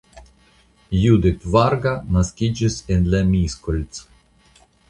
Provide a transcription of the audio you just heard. Judit Varga naskiĝis la en Miskolc.